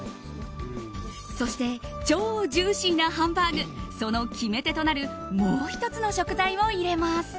そして超ジューシーなハンバーグその決め手となるもう１つの食材を入れます。